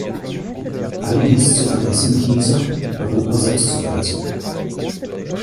All dies zu vergessen hieße, Europa selbst zu vergessen.